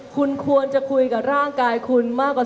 คุณควรจะคุยกับร่างกายคุณมากกว่า